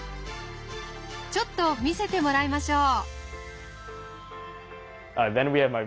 ちょっと見せてもらいましょう。